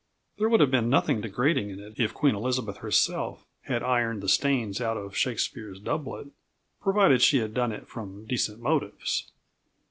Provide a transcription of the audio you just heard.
There would have been nothing degrading in it if Queen Elizabeth herself had ironed the stains out of Shakespeare's doublet, provided she had done it from decent motives.